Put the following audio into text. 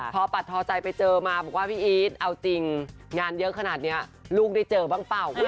พอปัดทอใจไปเจอมาบอกว่าพี่อีทเอาจริงงานเยอะขนาดนี้ลูกได้เจอบ้างเปล่า